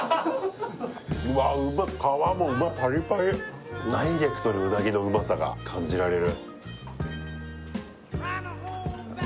うまい皮もうまいパリパリダイレクトにうなぎのうまさが感じられる